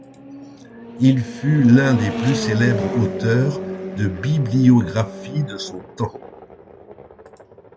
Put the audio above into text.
Il fut l'un des plus célèbres auteurs de bibliographie de son temps.